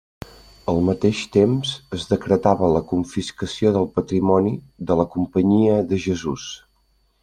Al mateix temps, es decretava la confiscació del patrimoni de la Companyia de Jesús.